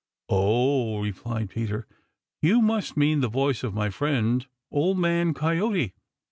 "Oh?" replied Peter, "you must mean the voice of my friend. Old Man Coyote.